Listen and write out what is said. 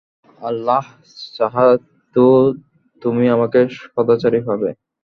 আল্লাহ চাহেতো তুমি আমাকে সদাচারী পাবে।